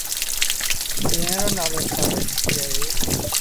جݩهݩ رو نآلو سآويتريٚ اهي ۔